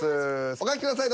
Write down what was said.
お書きください。